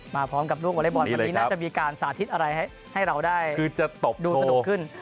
มาพร้อมกับลูกวอเล็กบอลวันนี้น่าจะมีการสาธิตอะไรให้เราได้คือจะตบดูสนุกขึ้น